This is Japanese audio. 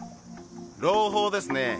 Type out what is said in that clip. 朗報ですね